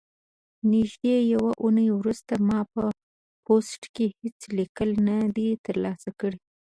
نږدې یوه اونۍ وروسته ما په پوسټ کې هیڅ لیک نه دی ترلاسه کړی.